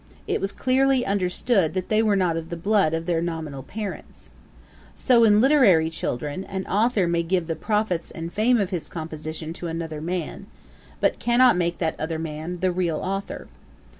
It was clearly understood that they were not of the blood of their nominal parents. So in literary children, an authour may give the profits and fame of his composition to another man, but cannot make that other the real authour.